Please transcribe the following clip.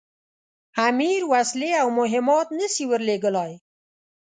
امیر وسلې او مهمات نه سي ورلېږلای.